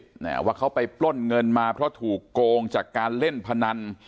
อ่าว่าเขาไปปล้นเงินมาเพราะถูกโกงจากการเล่นพนัน